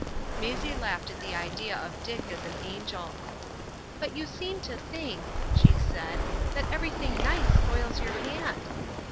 Maisie laughed at the idea of Dick as an angel. "But you seem to think," she said, "that everything nice spoils your hand."